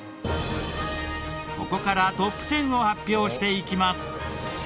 ここからトップ１０を発表していきます。